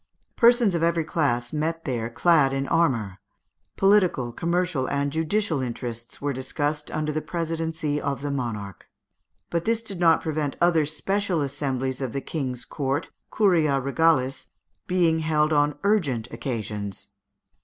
Persons of every class met there clad in armour; political, commercial, and judicial interests were discussed under the presidency of the monarch; but this did not prevent other special assemblies of the King's court (curia regalis) being held on urgent occasions.